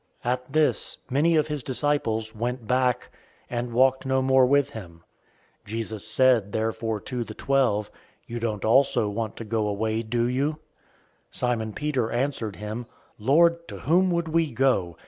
006:066 At this, many of his disciples went back, and walked no more with him. 006:067 Jesus said therefore to the twelve, "You don't also want to go away, do you?" 006:068 Simon Peter answered him, "Lord, to whom would we go?